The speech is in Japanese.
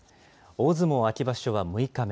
大相撲秋場所は６日目。